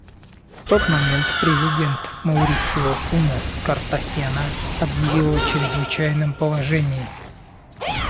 В тот момент президент Маурисио Фунес Картахена объявил о чрезвычайном положении.